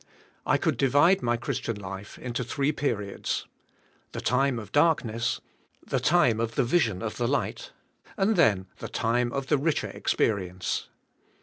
I could divide my Christian life into three periods: The time of dark ness, the time of the vision of the light and then the time of the richer experience.